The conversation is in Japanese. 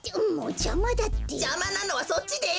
じゃまなのはそっちです！